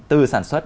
từ sản xuất